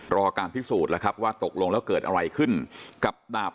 รอการพิสูจน์แล้วครับว่าตกลงแล้วเกิดอะไรขึ้นกับดาบ